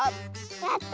やった！